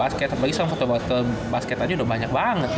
basket tapi bisa foto basket aja udah banyak banget